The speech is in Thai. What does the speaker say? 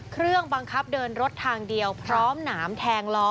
เครื่องบังคับเดินรถทางเดียวพร้อมหนามแทงล้อ